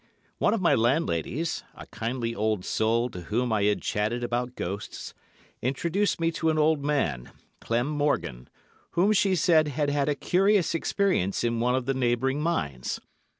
One of my landladies, a kindly old soul to whom I had chatted about ghosts, introduced me to an old man, Clem Morgan, whom she said had had a curious experience in one of the neighbouring mines.